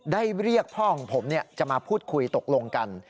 เรียกพ่อของผมจะมาพูดคุยตกลงกัน